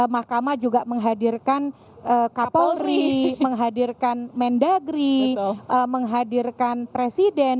mahkamah juga menghadirkan kapolri menghadirkan mendagri menghadirkan presiden